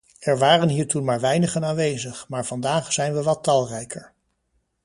Er waren hier toen maar weinigen aanwezig, maar vandaag zijn we wat talrijker.